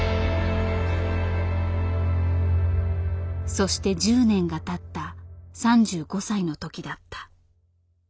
そして１０年がたった３５歳の時だった。